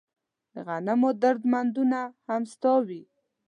د غنمو درمندونه دې هم ستا وي